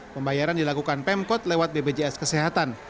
pembayaran dilakukan pemkot lewat bpjs kesehatan